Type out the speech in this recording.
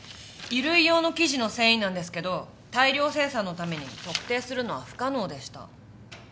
衣類用の生地の繊維なんですけど大量生産のために特定するのは不可能でした。